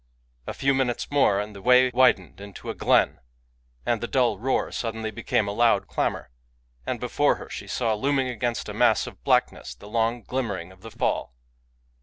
A few minutes more, and the way widened into a glen, — and the dull roar suddenly became a loud clamor, — and before her she saw, looming against a mass of blackness, the long glimmering of the fall.